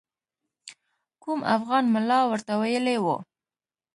کوم افغان ملا ورته ویلي وو.